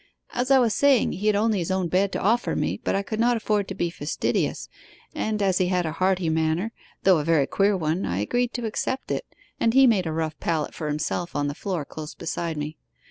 As I was saying, he had only his own bed to offer me, but I could not afford to be fastidious, and as he had a hearty manner, though a very queer one, I agreed to accept it, and he made a rough pallet for himself on the floor close beside me.